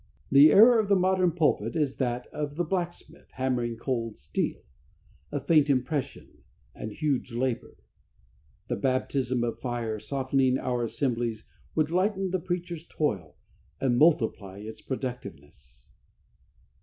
The error of the modern pulpit is that of the blacksmith hammering cold steel a faint impression and huge labor. The baptism of fire softening our assemblies would lighten the preacher's toil and multiply its productiveness.